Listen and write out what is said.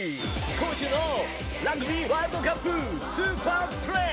今週のラグビーワールドカップ・スーパープレー。